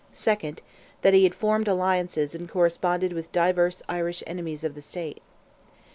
2nd, That he had formed alliances and corresponded with divers Irish enemies of the State."